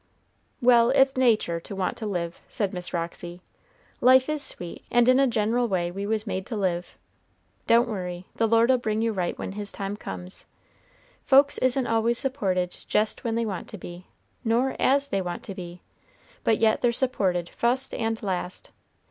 "Well, it's natur' to want to live," said Miss Roxy. "Life is sweet, and in a gen'l way we was made to live. Don't worry; the Lord'll bring you right when His time comes. Folks isn't always supported jest when they want to be, nor as they want to be; but yet they're supported fust and last.